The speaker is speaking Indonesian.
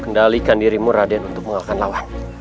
kendalikan dirimu raden untuk mengalahkan lawan